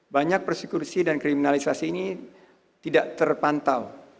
banyak persekusi dan kriminalisasi ini tidak terpantau